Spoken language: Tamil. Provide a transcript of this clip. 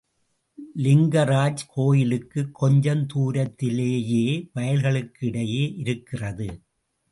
லிங்கராஜ் கோயிலுக்கு கொஞ்சம் தூரத்திலேயே வயல்களுக்கு இடையே இருக்கிறது.